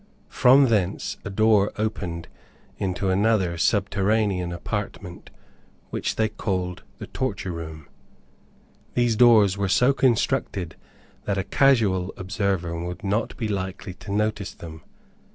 From thence, a door opened into another subterranean apartment which they called the torture room. These doors were so constructed, that a casual observer would not be likely to notice them.